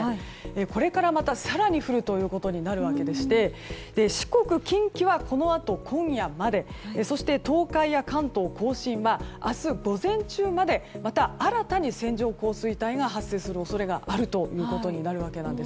これからまた更に降るということになるわけでして四国、近畿はこのあと今夜までそして東海や関東・甲信は明日午前中までまた新たに線状降水帯が発生する恐れがあるということです。